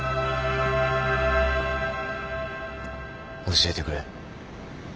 教えてくれ。